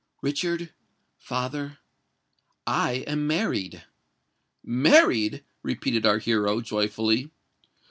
Richard—father—I am married!" "Married!" repeated our hero, joyfully.